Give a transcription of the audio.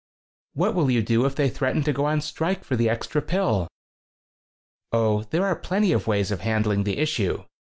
15 "What will you do if they threaten to go on strike for the extra pill?" "Oh, there are plenty of ways of handling the issue.